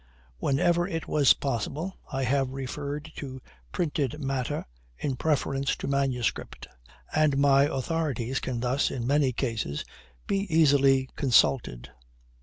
When ever it was possible I have referred to printed matter in preference to manuscript, and my authorities can thus, in most cases, be easily consulted.